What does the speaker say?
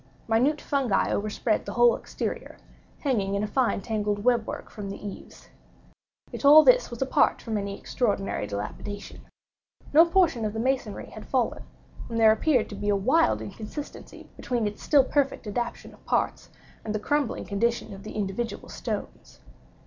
Minute fungi overspread the whole exterior, hanging in a fine tangled web work from the eaves. Yet all this was apart from any extraordinary dilapidation. No portion of the masonry had fallen; and there appeared to be a wild inconsistency between its still perfect adaptation of parts, and the crumbling condition of the individual stones.